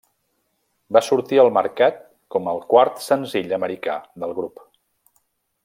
Va sortir al mercat com el quart senzill americà del grup.